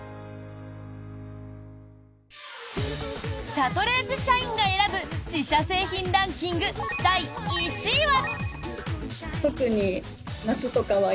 シャトレーゼ社員が選ぶ自社製品ランキング、第１位は！